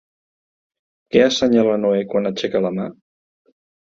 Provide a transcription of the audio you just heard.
Què assenyala Noè quan aixeca la mà?